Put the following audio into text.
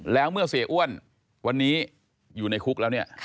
แล้วเมื่อเสียอ้วนวันนี้อยู่ในคุกแล้วเนี่ย